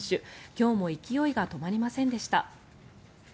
今日も勢いが止まりませんでした。